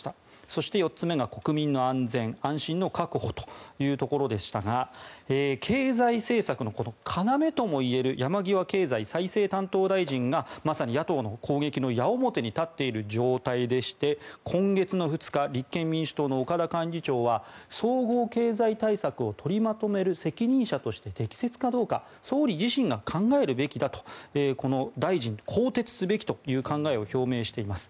そして４つ目が国民の安全・安心の確保というところでしたが経済政策のこの要ともいえる山際経済再生担当大臣がまさに野党の攻撃の矢面に立っている状態でして今月２日立憲民主党の岡田幹事長は総合経済対策を取りまとめる責任者として適切かどうか総理自身が考えるべきだとこの大臣を更迭すべきという考えを表明しています。